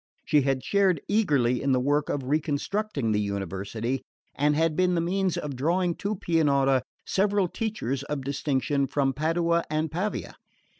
She had shared eagerly in the work of reconstructing the University, and had been the means of drawing to Pianura several teachers of distinction from Padua and Pavia.